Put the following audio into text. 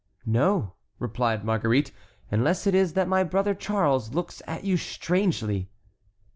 "No," replied Marguerite, "unless it is that my brother Charles looks at you strangely."